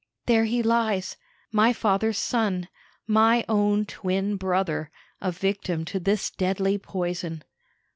There he lies, my father's son, my own twin brother, a victim to this deadly poison.